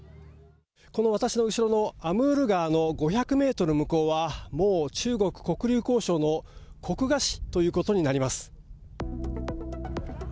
この私の後ろのアムール川の５００メートル向こうは、もう中国・黒竜江省の黒河市ということになります。